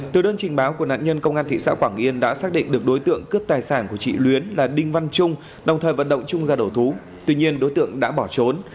từ đơn trình báo của nạn nhân công an thị xã quảng yên đã xác định được đối tượng cướp tài sản của chị luyến là đinh văn trung đồng thời vận động trung ra đầu thú tuy nhiên đối tượng đã bỏ trốn